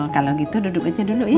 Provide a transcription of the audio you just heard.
kalau gitu duduk aja dulu ya